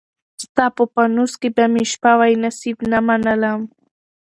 ستا په پانوس کي به مي شپه وای، نصیب نه منلم